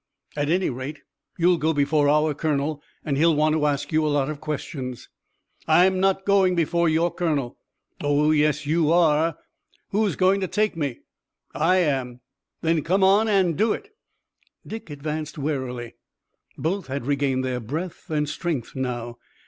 "At any rate you'll go before our colonel. He'll want to ask you a lot of questions." "I'm not going before your colonel." "Oh, yes, you are." "Who's going to take me?" "I am." "Then come on and do it." Dick advanced warily. Both had regained their breath and strength now.